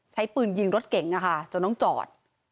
ใช้ปืนยิงรถเก๋งจนต้องจอด